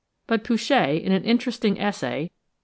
But Pouchet, in an interesting essay (2.